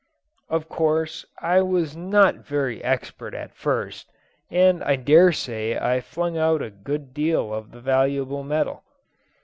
Of course I was not very expert at first, and I dare say I flung out a good deal of the valuable metal.